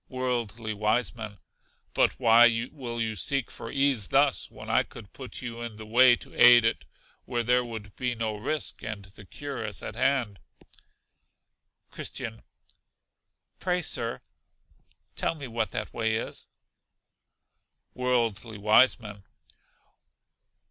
Worldly Wiseman. But why will you seek for ease thus, when I could put you in the way to aid it where there would be no risk; and the cure is at hand. Christian. Pray, Sir, tell me what that way is. Worldly Wiseman.